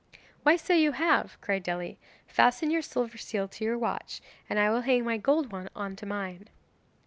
'Why, so you have,' cried Dely; 'fasten your silver seal to your watch, and I will hang my gold one on to mine.